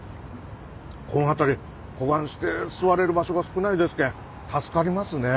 この辺りこがんして座れる場所が少ないですけん助かりますね。